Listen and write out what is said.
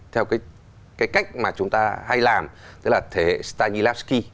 theo cái cách mà chúng ta hay làm tức là thế hệ stanislavsky